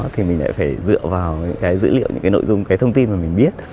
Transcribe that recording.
thì mình lại phải dựa vào những cái dữ liệu những cái nội dung cái thông tin mà mình biết